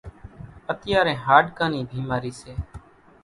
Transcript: اتيارين هاڏڪان نِي ڀيمارِي سي۔